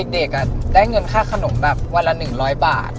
เด็กได้เงินค่าขนมแบบวันละ๑๐๐บาท